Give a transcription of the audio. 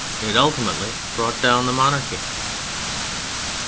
It ultimately brought down the Monarchy.